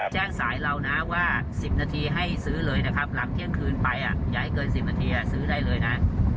แจ้งสายเรานะว่า๑๐นาทีให้ซื้อเลยนะครับหลังเที่ยงคืนไปอย่าให้เกิน๑๐นาทีซื้อได้เลยนะ